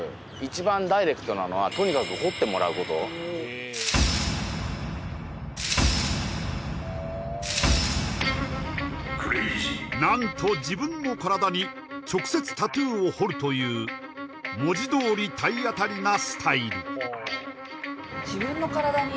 え何と自分の体に直接タトゥーを彫るという文字どおり体当たりなスタイル